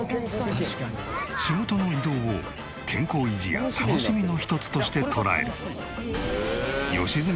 仕事の移動を健康維持や楽しみの一つとして捉える。